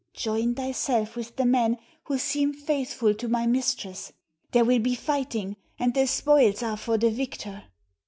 Join thyself with the men who seem faithful to my mistress. There will be fighting; and the spoils are for the victor."